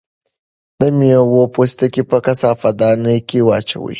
د مېوو پوستکي په کثافاتدانۍ کې واچوئ.